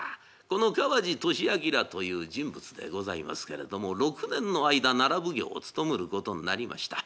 この川路聖謨という人物でございますけれども６年の間奈良奉行を務むることになりました。